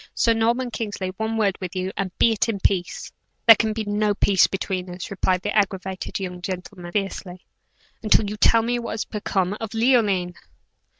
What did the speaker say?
Sir Norman Kingsley, one word with you, and be it in peace." "There can be no peace between us," replied that aggravated young gentleman, fiercely "until you tell me what has become of Leoline."